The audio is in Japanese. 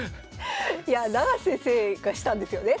いや永瀬先生がしたんですよね？